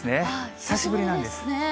久しぶりなんです。